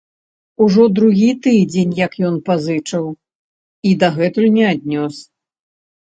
Ужо другі тыдзень, як ён пазычыў і дагэтуль не аднёс.